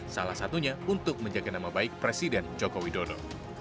salah satunya untuk menjaga nama baik presiden jokowi dodo